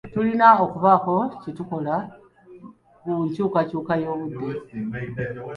Tulina okubaako ne kye tukola ku nkyukakyuka y'obudde